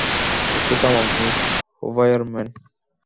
একটু থামুন, Miss Huberman.